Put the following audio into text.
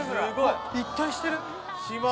一体してる。